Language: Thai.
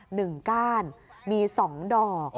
หนึ่งก้านมีสองดอก